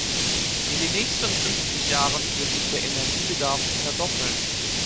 In den nächsten fünfzig Jahren wird sich der Energiebedarf verdoppeln.